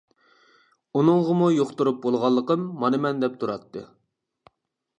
ئۇنىڭغىمۇ يۇقتۇرۇپ بولغانلىقىم مانا مەن دەپ تۇراتتى.